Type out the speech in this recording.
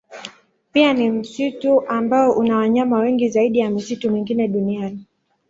Pia ni msitu ambao una wanyama wengi zaidi ya misitu mingine duniani.